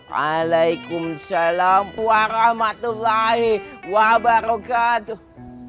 waalaikumsalam warahmatullahi wabarakatuh